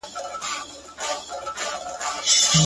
د څه ووايم سرې تبې نيولی پروت دی’